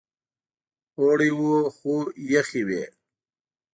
اوړی و خو یخې وې.